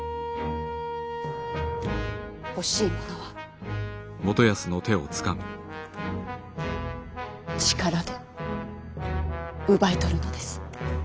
欲しいものは力で奪い取るのです。